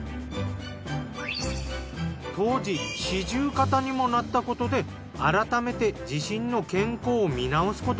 当時四十肩にもなったことで改めて自身の健康を見直すことに。